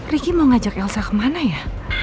ricky mau ngajak elsa kemana ya